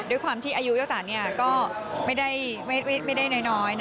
ด้วยความที่อายุเจ้าสาวนี่ก็ไม่ได้น้อย